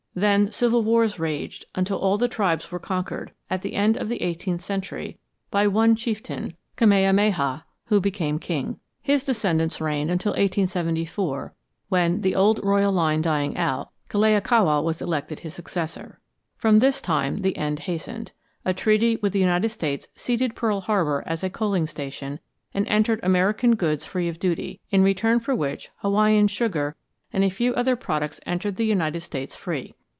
Then civil wars raged until all the tribes were conquered, at the end of the eighteenth century, by one chieftain, Kamehameha, who became king. His descendants reigned until 1874 when, the old royal line dying out, Kalakaua was elected his successor. From this time the end hastened. A treaty with the United States ceded Pearl Harbor as a coaling station and entered American goods free of duty, in return for which Hawaiian sugar and a few other products entered the United States free.